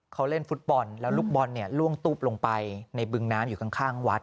เขาเล่นฟุตบอลแล้วลูกบอลเนี่ยล่วงตุ๊บลงไปในบึงน้ำอยู่ข้างวัด